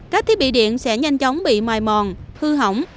các thiết bị điện sẽ nhanh chóng bị mài mòn hư hỏng